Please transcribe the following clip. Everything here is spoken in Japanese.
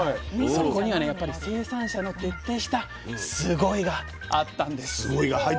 そこにはね生産者の徹底したスゴイ！があったんです。